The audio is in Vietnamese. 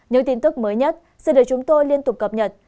những tin tức mới nhất xin được chúng tôi liên tục cập nhật